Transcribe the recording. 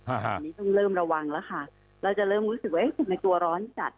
อันนี้ต้องเริ่มระวังแล้วค่ะแล้วจะเริ่มรู้สึกว่าคนในตัวร้อนจัด